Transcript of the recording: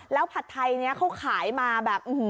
แล้วผัดไทยนี้เขาขายมาแบบ